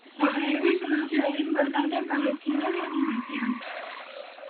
Zagreb es una ciudad importante para el cine de animación.